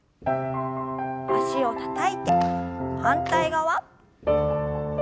脚をたたいて反対側。